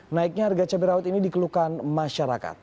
naiknya harga cabai rawit ini dikeluhkan masyarakat